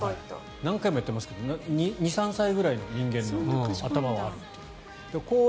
何回もやってますけど２３歳ぐらいの人間の頭はあるっていう。